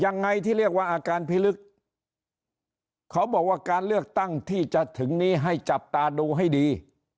ยังไงที่เรียกว่าอาการพิลึกเขาบอกว่าการเลือกตั้งที่จะถึงนี้ให้จับตาดูให้ดี